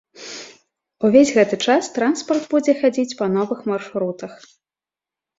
Увесь гэты час транспарт будзе хадзіць па новых маршрутах.